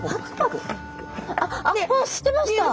あっしてました！